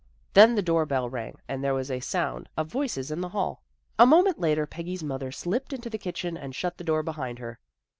Then the door bell rang and there was a sound of voices in the hall. A moment later Peggy's mother slipped into the kitchen and shut the door behind her.